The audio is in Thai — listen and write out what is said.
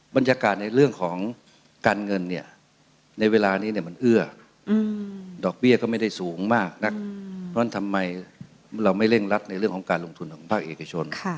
บรรยากาศในเรื่องของการเงินเนี่ยในเวลานี้มันเอื้อดอกเบี้ยก็ไม่ได้สูงมากนักเพราะฉะนั้นทำไมเราไม่เร่งรัดในเรื่องของการลงทุนของภาคเอกชน